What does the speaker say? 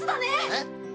えっ？